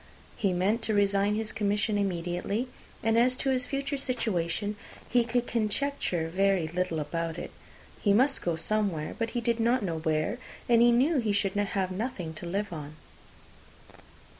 He meant to resign his commission immediately; and as to his future situation, he could conjecture very little about it. He must go somewhere, but he did not know where, and he knew he should have nothing to live on.